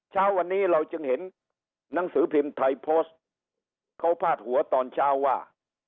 เช้าวันนี้เราจึงเห็นหนังสือพิมพ์ไทยโพสต์เขาพาดหัวตอนเช้าว่า